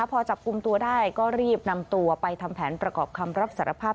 พอจับกลุ่มตัวได้ก็รีบนำตัวไปทำแผนประกอบคำรับสารภาพ